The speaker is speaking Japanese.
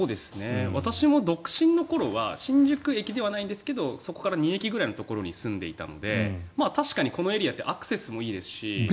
私も独身の頃は新宿駅ではないんですがそこから２駅ぐらいのところに住んでいたので確かにこのエリアってアクセスがいいですし。